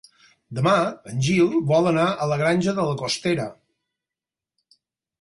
Demà en Gil vol anar a la Granja de la Costera.